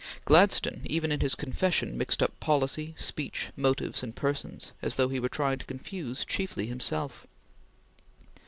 Gladstone, even in his confession, mixed up policy, speech, motives, and persons, as though he were trying to confuse chiefly himself.